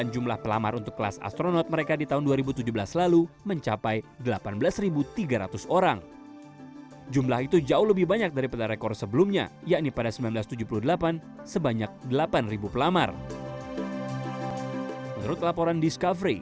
jumlah pelamar astronot di amerika serikat